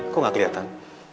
kok gak keliatan